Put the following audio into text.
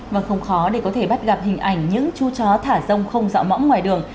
và không khó để có thể bắt gặp hình ảnh những chú chó thả rông không dọa mõm ngoài đường